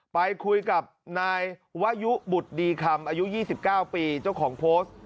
ไปคุยกับนายวยุบุตรดีคำอายุ๒๙ปีเจ้าของโพสต์